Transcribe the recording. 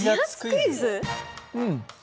うん。